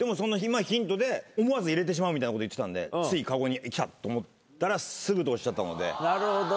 ヒントで思わず入れてしまうみたいなこと言ってたんで「ついかごに」きたと思ったら「すぐ」とおっしゃったので。